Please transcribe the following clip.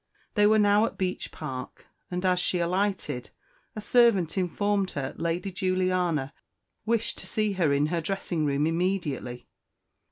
They were now at Beech Park; and as she alighted a servant informed her Lady Juliana wished to see her in her dressing room immediately.